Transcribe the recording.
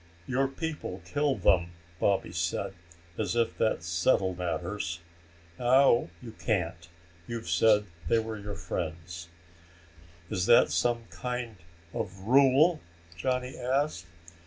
"Your people kill them," Baba said, as if that settled matters. "Now you can't. You've said they were your friends." "Is that some kind of rule?" Johnny asked.